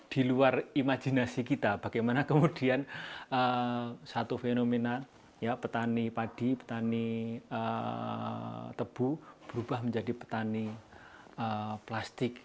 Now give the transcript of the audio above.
di luar imajinasi kita bagaimana kemudian satu fenomena petani padi petani tebu berubah menjadi petani plastik